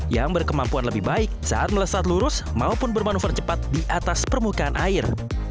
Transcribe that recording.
yang berkemampuan lebih baik saat melesat lurus maupun bermanuver cepat di atas permukaan air